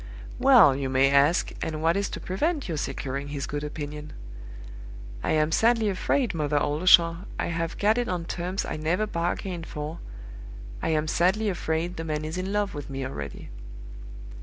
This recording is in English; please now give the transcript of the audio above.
"Well, you may ask, and what is to prevent your securing his good opinion? I am sadly afraid, Mother Oldershaw, I have got it on terms I never bargained for I am sadly afraid the man is in love with me already.